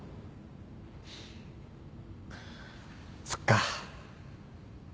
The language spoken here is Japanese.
そっか。